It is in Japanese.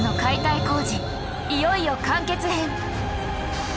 いよいよ完結編！